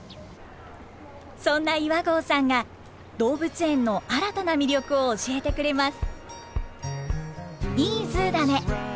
そんな岩合さんが動物園の新たな魅力を教えてくれます。